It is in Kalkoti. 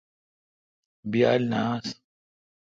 بیال نہ آس۔